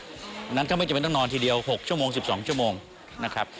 เพราะฉะนั้นก็ไม่จำเป็นต้องนอนทีเดียว๖ชั่วโมง๑๒ชั่วโมงนะครับ